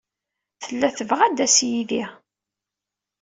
Tella tebɣa ad d-tas yid-i.